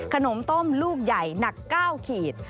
ขนมต้มลูกใหญ่หนัก๙ขีด